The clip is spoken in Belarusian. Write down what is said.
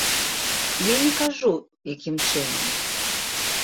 Я не кажу, якім чынам.